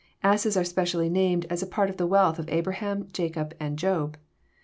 Asses are specially named as part of the wealth of Abraham, Jacob, and Job.